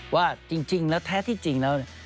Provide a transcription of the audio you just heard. ว่าจริงแล้วแท้ที่จริงแล้ว